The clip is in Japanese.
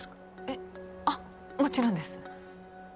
えっあっもちろんです